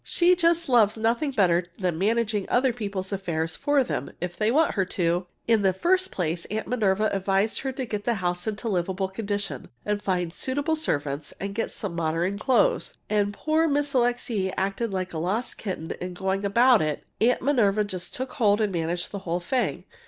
She just loves nothing better than managing people's affairs for them if they want her to! In the first place, Aunt Minerva advised her to get the house into livable condition, and find suitable servants, and get some modern clothes. And as poor Miss Alixe acted like a lost kitten in going about it, Aunt Minerva just took hold and managed the whole thing.